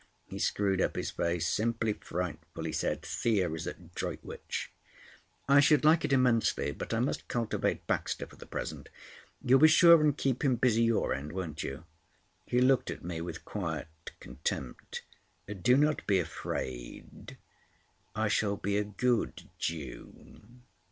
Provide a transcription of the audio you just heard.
He screwed up his face. "Simply frightful!" he said. "Thea is at Droitwich." "I should like it immensely, but I must cultivate Baxter for the present. You'll be sure and keep him busy your end, won't you?" He looked at me with quiet contempt. "Do not be afraid. I shall be a good Jew.